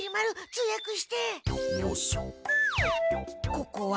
ここは。